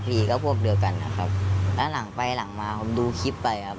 พี่ก็พวกเดียวกันนะครับแล้วหลังไปหลังมาผมดูคลิปไปครับ